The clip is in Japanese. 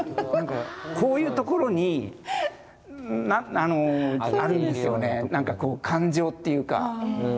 こういうところにあるんですよねなんかこう感情っていうか。